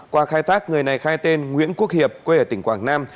qua khai tác người này khai tên nguyễn quốc hiệp quê ở tỉnh quảng nam